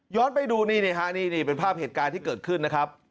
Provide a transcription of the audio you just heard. ย้อนไปดูนี่เป็นภาพเหตุการณ์ที่เกิดขึ้น